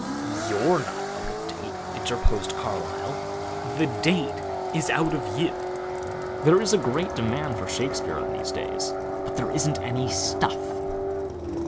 "You're not out of date," interposed Carlyle; "the date is out of you. There is a great demand for Shakespeare in these days, but there isn't any stuff."